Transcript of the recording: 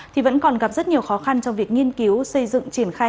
thì vẫn còn gặp rất nhiều khó khăn trong việc nghiên cứu xây dựng triển khai